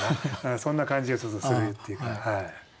そんな感じがちょっとするっていうか。